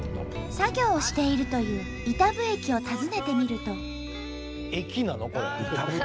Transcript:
作業をしているという飯給駅を訪ねてみると。